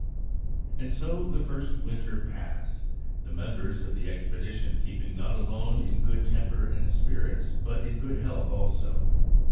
And so the first winter passed, the members of the expedition keeping not alone in good temper and spirits, but in good health also.